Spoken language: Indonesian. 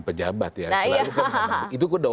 pejabat ya itu kok